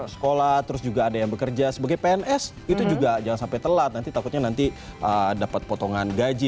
sekolah terus juga ada yang bekerja sebagai pns itu juga jangan sampai telat nanti takutnya nanti dapat potongan gaji